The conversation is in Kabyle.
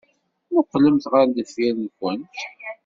Mmuqqlemt ɣer deffir-went!